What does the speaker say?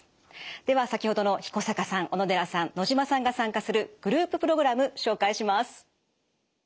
では先ほどの彦坂さん小野寺さん野島さんが参加するグループプログラム紹介します。